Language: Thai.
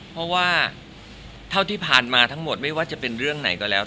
เพราะว่าเท่าที่ผ่านมาทั้งหมดไม่ว่าจะเป็นเรื่องไหนก็แล้ว